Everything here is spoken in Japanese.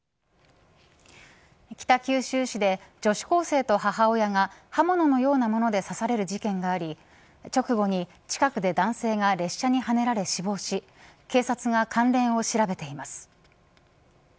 北九州市で女子高生と母親が刃物のような物で刺される事件があり直後に近くで男性が列車にはねられ死亡し警察が関連を調べています。